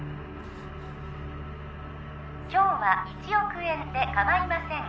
今日は１億円でかまいません